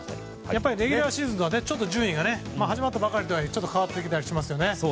やっぱりレギュラーシーズンとはちょっと順位が始まったばかりとはいえ変わってきたりしますね。